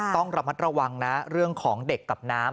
ต้องระมัดระวังนะเรื่องของเด็กกับน้ำ